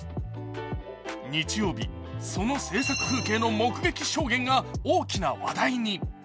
日曜日、その制作風景の目撃証言が大きな話題に。